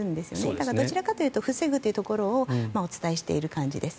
だから、どちらかというと防ぐということをお伝えしている感じです。